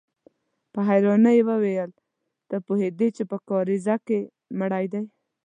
په حيرانۍ يې وويل: ته پوهېدې چې په کاريزه کې مړی دی؟